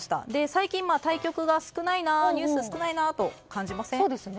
最近、対局が少ないなニュースが少ないなと感じます。